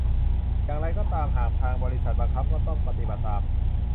อย่างไรก็ตาม หากทางบริษัทบังคับก็ต้องปฏิบัติตาม